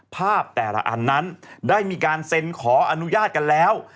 ภาพแต่ละอันนั้นได้มีการเซ็นขออนุญาตกันแล้ว